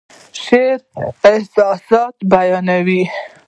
شاعر احساسات بیانوي